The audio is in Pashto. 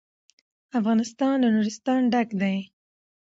افغانستان له نورستان ډک دی.